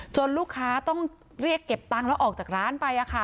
ลูกค้าต้องเรียกเก็บตังค์แล้วออกจากร้านไป